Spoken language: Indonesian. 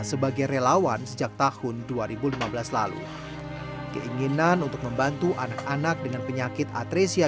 sebagai relawan sejak tahun dua ribu lima belas lalu keinginan untuk membantu anak anak dengan penyakit atresia